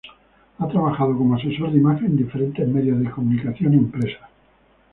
Ha trabajado como asesor de imagen en diferentes medios de comunicación y empresas.